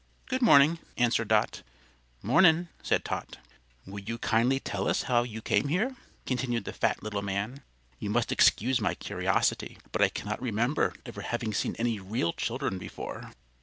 "Good morning," answered Dot. "Mornin'," said Tot. "Will you kindly tell us how you came here?" continued the fat little man. "You must excuse my curiosity, but I cannot remember ever having seen any real children before."